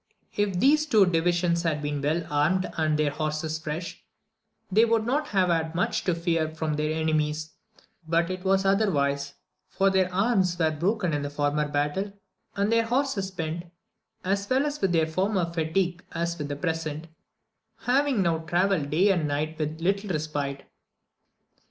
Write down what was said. If these two divisions had been well armed, and their horses fresh, they would not have had much to fear from their enemies ; but it was otherwise, for their arms were broken in the former battle, and their horses spent, as well with their former fatigue as with the present, having now travelled day and night with little respite.